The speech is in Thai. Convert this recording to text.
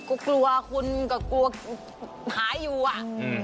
ก็กลัวคุณก็กลัวหายอยู่